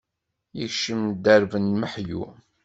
Ikcem dderb n meḥyu.